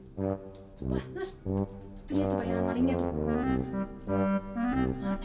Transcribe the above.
wah ros tuh tuh yang terbayang palingnya tuh